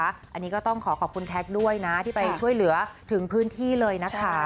อันนี้ก็ต้องขอขอบคุณแท็กด้วยนะที่ไปช่วยเหลือถึงพื้นที่เลยนะคะ